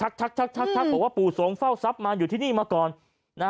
ทักบอกว่าปู่สงเฝ้าทรัพย์มาอยู่ที่นี่มาก่อน